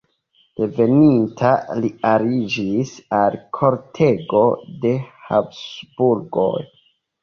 Reveninta li aliĝis al kortego de Habsburgoj.